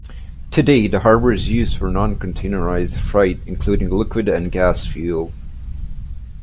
Today the harbour is used for non-containerised freight, including liquid and gas fuel.